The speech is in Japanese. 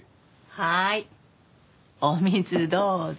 はいお水どうぞ。